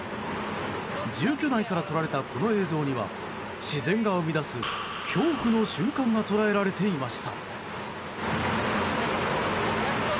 住居内から撮られたこの映像には自然が生み出す恐怖の瞬間が捉えられていました。